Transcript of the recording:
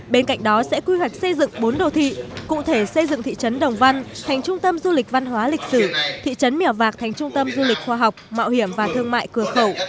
bên cạnh đó sẽ quy hoạch xây dựng bốn đô thị cụ thể xây dựng thị trấn đồng văn thành trung tâm du lịch văn hóa lịch sử thị trấn mèo vạc thành trung tâm du lịch khoa học mạo hiểm và thương mại cửa khẩu